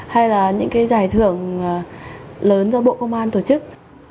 hay là những cái giải thưởng lớn do bộ công an tổ chức